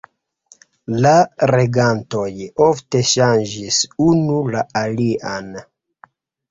La regantoj ofte ŝanĝis unu la alian.